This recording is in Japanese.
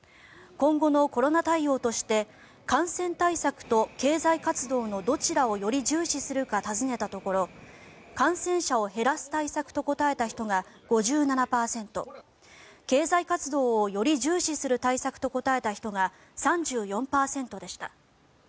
今後のコロナ対応として感染対策と経済活動のどちらをより重視するか尋ねたところ感染者を減らす対策と答えた人が５７％経済活動をより重視する対策と答えた人が３４％でした。